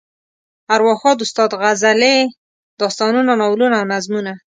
ارواښاد استاد غزلې، داستانونه، ناولونه او نظمونه.